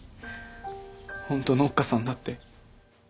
本当のおっかさんだって。